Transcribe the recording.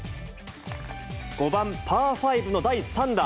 ５番パー５の第３打。